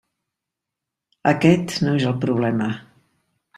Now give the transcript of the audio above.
Aquest no és el problema.